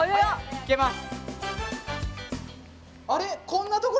いけます。